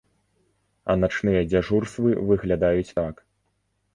А начныя дзяжурствы выглядаюць так.